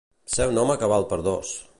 Ser un home que val per dos.